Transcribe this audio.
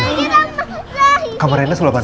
gak ada yang bisa bantu